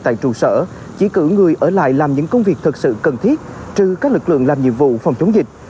tại trụ sở chỉ cử người ở lại làm những công việc thật sự cần thiết trừ các lực lượng làm nhiệm vụ phòng chống dịch